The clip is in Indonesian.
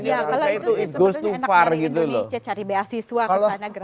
iya kalau itu sebenarnya enak dari indonesia cari beasiswa ke tanah gerak